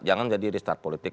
jangan jadi restart politik